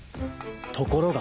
ところが。